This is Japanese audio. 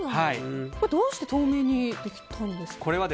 どうして透明にできたんですか。